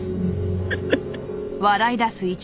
フフフ。